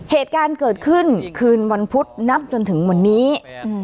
เหตุการณ์เกิดขึ้นคืนวันพุธนับจนถึงวันนี้